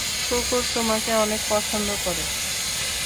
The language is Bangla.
কুকুর তোমাকে অনেক পছন্দ করে।